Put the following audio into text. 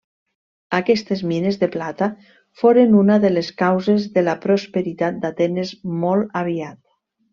Aquestes mines de plata foren una de les causes de la prosperitat d'Atenes molt aviat.